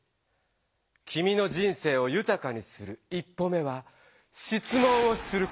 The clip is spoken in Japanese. きみの人生を豊かにする一歩目は「質問をすること」。